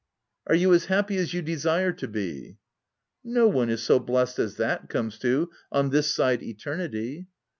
" Are you as happy as you desire to be ¥'" No one is so blest as that comes to, on this side eternity."